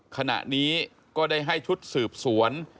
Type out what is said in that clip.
ขณะนี้ก็ได้ให้ชุดสืบสวน